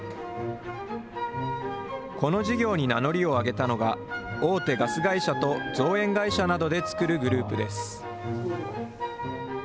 この事業に名乗りを上げたのが、大手ガス会社と造園会社などで作るグループです。